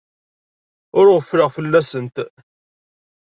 Ur ɣeffleɣ fell-asent.